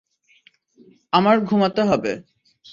আমার ঘুমাতে হবে।